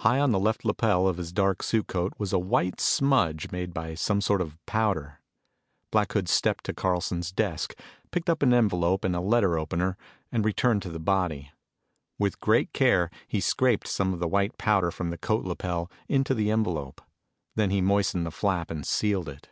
High on the left lapel of his dark suit coat was a white smudge made by some sort of powder. Black Hood stepped to Carlson's desk, picked up an envelope and a letter opener, and returned to the body. With great care, he scraped some of the white powder from the coat lapel into the envelope. Then he moistened the flap and sealed it.